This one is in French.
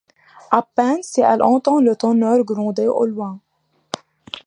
À peine si elle entend le tonnerre gronder au loin.